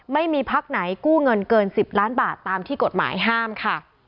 ไม่มีพักไหนกู้เงินเกิน๑๐ล้านบาทตามที่กฎหมายห้ามค่ะ